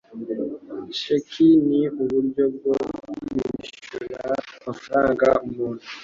Sheki ni uburyo bwo kwishyura amafaranga umuntu.